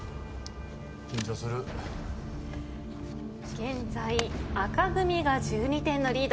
現在赤組が１２点のリード。